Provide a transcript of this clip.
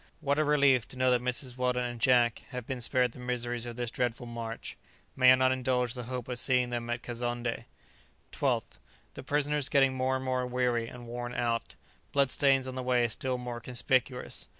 What a relief to know that Mrs. Weldon and Jack have been spared the miseries of this dreadful march! May I not indulge the hope of seeing them at Kazonndé? 12th. The prisoners getting more and more weary and worn out. Blood stains on the way still more conspicuous.